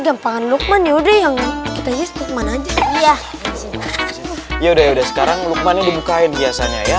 gampang lukman yaudah yang kita yes mana aja ya ya udah udah sekarang lukman dibukain biasanya ya